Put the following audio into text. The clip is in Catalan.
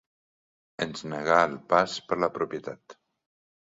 Ens negà el pas per la propietat.